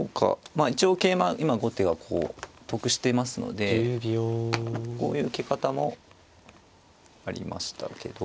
まあ一応桂馬今後手がこう得してますのでこういう受け方もありましたけど。